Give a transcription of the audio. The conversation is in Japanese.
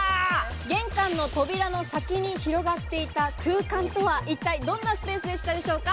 玄関の扉の先に広がっていた空間とは、一体どんなスペースでしたでしょうか？